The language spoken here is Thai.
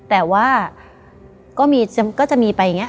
แต่ว่าก็จะมีไปอย่างนี้